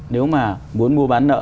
nếu mà muốn mua bán nợ